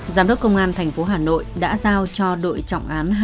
giám đốc công an thành phố hà nội đã giao cho đội trọng án hai